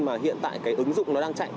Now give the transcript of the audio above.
mà hiện tại cái ứng dụng nó đang chạy